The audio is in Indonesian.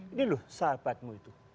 ini loh sahabatmu itu